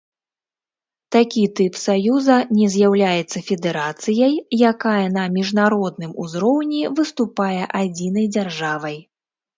Такі тып саюза не з'яўляецца федэрацыяй, якая на міжнародным узроўні выступае адзінай дзяржавай.